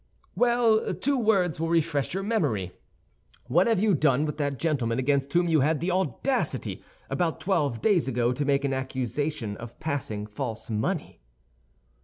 "Well, two words will refresh your memory. What have you done with that gentleman against whom you had the audacity, about twelve days ago, to make an accusation of passing false money?"